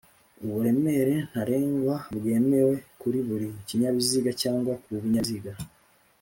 uburemere ntarengwa bwemewe kuri buri kinyabiziga cyangwa ku binyabiziga